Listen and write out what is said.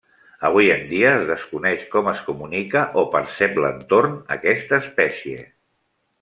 Avui en dia, es desconeix com es comunica o percep l'entorn aquesta espècie.